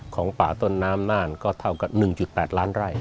ของป่าต้นน้ำน่านก็เท่ากับ๑๘ล้านไร่